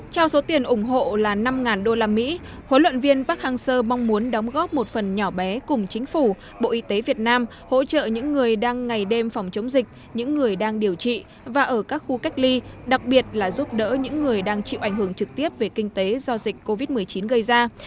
trong số tiền ủng hộ là năm usd huấn luyện viên park hang seo mong muốn đóng góp một phần nhỏ bé cùng chính phủ bộ y tế việt nam hỗ trợ những người đang ngày đêm phòng chống dịch những người đang điều trị và ở các khu cách ly đặc biệt là giúp đỡ những người đang chịu ảnh hưởng trực tiếp về kinh tế do dịch covid một mươi chín gây ra